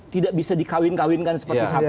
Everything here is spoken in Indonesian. tidak bisa di kawin kawinkan seperti sapi misalnya